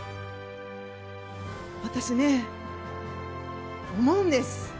私ね、思うんです。